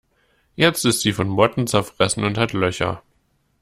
Jetzt ist sie von Motten zerfressen und hat Löcher.